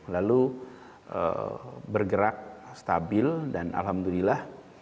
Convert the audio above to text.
lalu bergerak stabil dan alhamdulillah